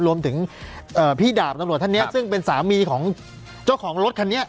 รวมถึงเอ่อพี่ดาบนังโหลดท่านเนี้ยซึ่งเป็นสามีของเจ้าของรถคันนี้